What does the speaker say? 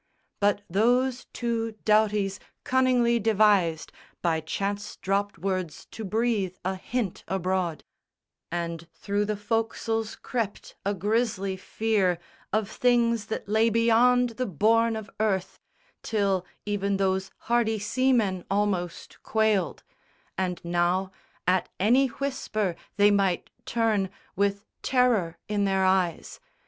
But those two Doughtys cunningly devised By chance dropt words to breathe a hint abroad; And through the foc'sles crept a grisly fear Of things that lay beyond the bourne of earth, Till even those hardy seamen almost quailed; And now, at any whisper, they might turn With terror in their eyes.